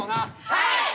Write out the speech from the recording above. はい！